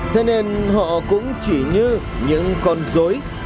thế nên họ cũng chỉ như những con dối